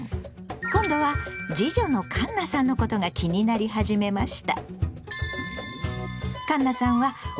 今度は次女のかんなさんのことが気になり始めました。